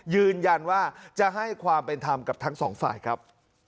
ยืนยันว่าจะให้ความเป็นธรรมกับทั้งสองฝ่ายครับ